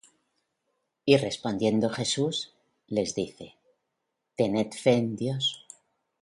Y respondiendo Jesús, les dice: Tened fe en Dios.